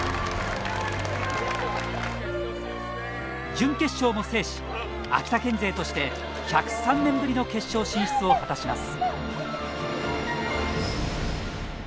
準決勝も制し秋田県勢として１０３年ぶりの決勝進出を果たします。